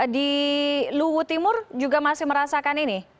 di luwu timur juga masih merasakan ini